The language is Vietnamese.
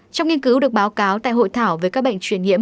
trong nghiên cứu được báo cáo tại hội thảo về các bệnh truyền nhiễm